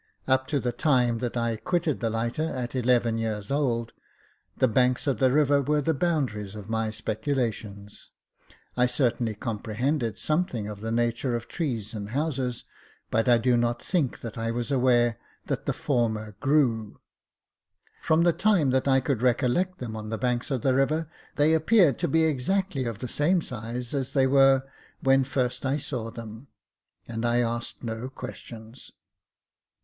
Up to the time that I quitted the lighter, at eleven years old, the banks of the river were the boundaries of my speculations. I certainly comprehended something of Jacob Faithful 7 the nature of trees and houses ; but I do not think that I was aware that the former grew. From the time that I could recollect them on the banks of the river, they appeared to be exactly of the same size as they were when first I saw them, and I asked no questions.